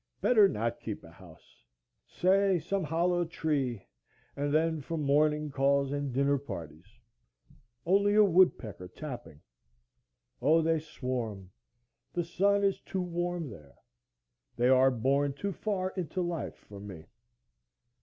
Better not keep a house. Say, some hollow tree; and then for morning calls and dinner parties! Only a woodpecker tapping. O, they swarm; the sun is too warm there; they are born too far into life for me.